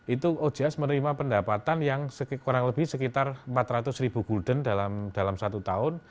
itu ojs menerima pendapatan yang kurang lebih sekitar empat ratus ribu gulden dalam satu tahun